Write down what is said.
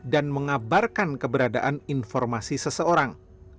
dan mengabarkan keberadaan informasi seseorang